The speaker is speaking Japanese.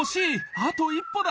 あと１歩だ！